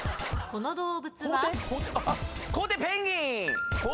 この動物は？